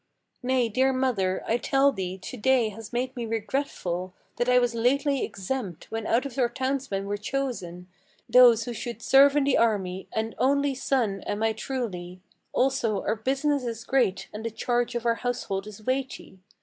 Nay, dear mother, I tell thee, to day has made me regretful That I was lately exempt, when out of our townsmen were chosen Those who should serve in the army. An only son I am truly, Also our business is great, and the charge of our household is weighty.